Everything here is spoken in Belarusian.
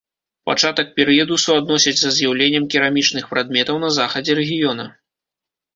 Пачатак перыяду суадносяць са з'яўленнем керамічных прадметаў на захадзе рэгіёна.